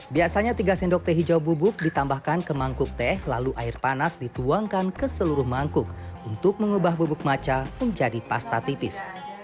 biasanya tiga sendok teh hijau bubuk ditambahkan ke mangkuk teh lalu air panas dituangkan ke seluruh mangkuk untuk mengubah bubuk maca menjadi pasta tipis